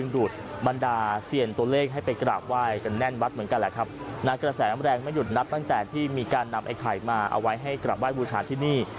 ดูดบรรดาเซียนตัวเลขให้ไปกราบไหว้กันแน่นวัดเหมือนกันแหละครับนางกระแสน้ำแรงไม่หยุดนับตั้งแต่ที่มีการนำไอ้ไข่มาเอาไว้ให้กราบไหว้บูชาติที่นี่